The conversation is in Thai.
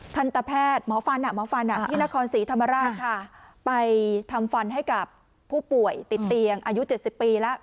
ทันตแพทย์หมอฟันหมอฟันที่นครศรีธรรมราชค่ะไปทำฟันให้กับผู้ป่วยติดเตียงอายุ๗๐ปีแล้ว